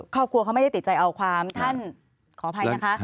ครอบครัวเขาไม่ได้ติดใจเอาความท่านขออภัยนะคะ